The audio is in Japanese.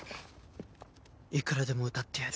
いくらでも歌ってやる。